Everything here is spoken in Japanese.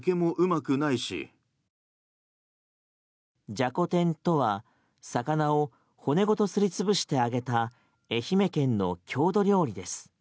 じゃこ天とは、魚を骨ごとすり潰して揚げた愛媛県の郷土料理です。